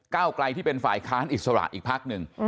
เก้าไกลที่เป็นฝ่ายค้านอิสระอีกพักหนึ่ง